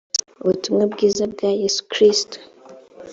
ubutumwa bwiza bwa yesu kristo